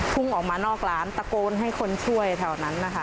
่งออกมานอกร้านตะโกนให้คนช่วยแถวนั้นนะคะ